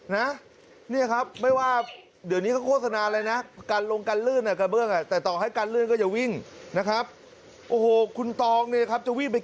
นี่ครับไม่ว่าเดือนนี้เขาโฆษณาอะไรนะ